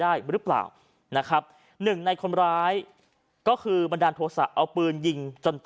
ในรถคันนึงเขาพุกอยู่ประมาณกี่โมงครับ๔๕นัท